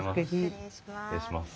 失礼します。